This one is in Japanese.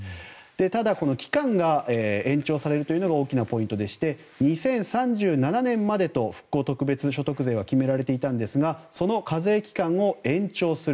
ただ、期間が延長されるというのが大きなポイントでして２０３７年までと復興特別所得税は決められていたんですがその課税期間を延長する。